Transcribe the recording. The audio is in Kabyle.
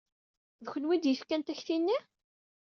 D kenwi ay d-yefkan takti-nni?